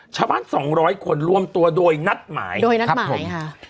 ชาวบ้าน๒๐๐คนรวมตัวโดยนัดหมายครับผม